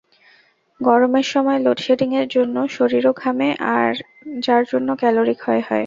গরমের সময় লোডশেডিংয়ের জন্য শরীরও ঘামে, যার জন্য ক্যালরি ক্ষয় হয়।